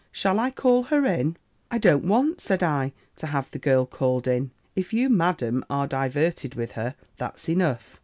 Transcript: Shall I call her in?' "'I don't want,' said I, 'to have the girl called in: if you, Madam, are diverted with her, that's enough.